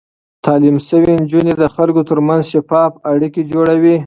تعليم شوې نجونې د خلکو ترمنځ شفاف اړيکې جوړوي.